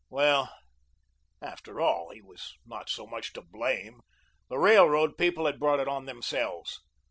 Well, after all, he was not so much to blame; the railroad people had brought it on themselves.